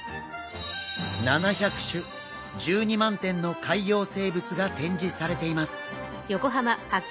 ７００種１２万点の海洋生物が展示されています。